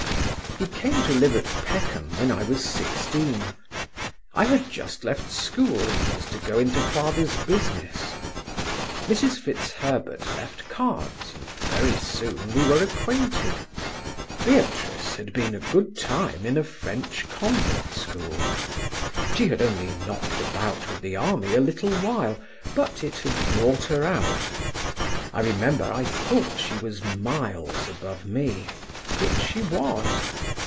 "He came to live at Peckham when I was sixteen. I had just left school, and was to go into father's business. Mrs FitzHerbert left cards, and very soon we were acquainted. Beatrice had been a good time in a French convent school. She had only knocked about with the army a little while, but it had brought her out. I remember I thought she was miles above me—which she was.